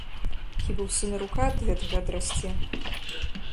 Хіба ў сына рука ад гэтага адрасце?